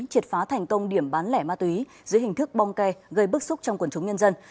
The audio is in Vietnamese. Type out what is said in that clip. triệt phá thành công điểm bán lẻ ma túy dưới hình thức bong ke gây bức xúc trong quần chúng nhân dân